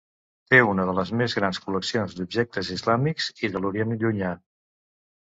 Té una de les més grans col·leccions d'objectes islàmics i de l'Orient Llunyà.